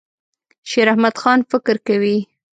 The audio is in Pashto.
شیراحمدخان فکر کوي.